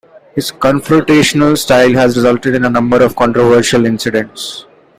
His confrontational style has resulted in a number of controversial incidents.